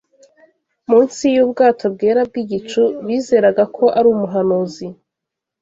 Munsi yubwato bwera bwigicu bizeraga ko ari umuhanuzi